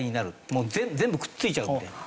もう全部くっついちゃうみたいな。